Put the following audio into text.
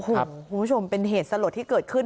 คุณผู้ชมเป็นเหตุสลดที่เกิดขึ้น